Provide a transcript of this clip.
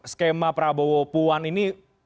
skema prabowo puan ini